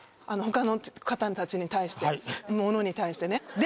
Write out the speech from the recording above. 他の方たちに対してものに対してね。